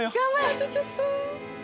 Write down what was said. あとちょっと！